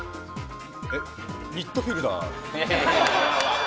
ミッドフィルダー。